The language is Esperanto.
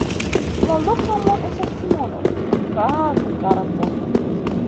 La loknomo estas Simono en praa hungara formo.